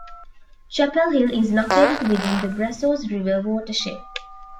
Chappell Hill is located within the Brazos River watershed.